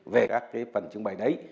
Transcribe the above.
về các cái phần trưng bày đấy